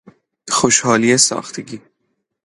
خوشحالی ساختگی